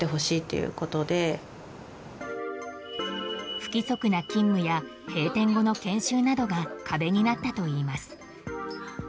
不規則な勤務や閉店後の研修などが壁になったといいます。